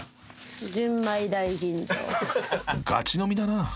［ガチ飲みだな］